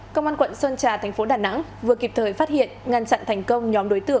công an quận sơn trà thành phố đà nẵng vừa kịp thời phát hiện ngăn chặn thành công nhóm đối tượng